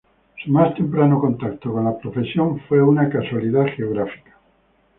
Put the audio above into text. Su más temprano contacto con la profesión fue una casualidad geográfica.